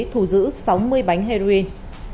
thù giữ sáu mươi bánh heroin